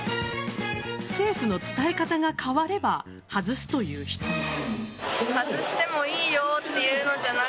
政府の伝え方が変われば外すという人も。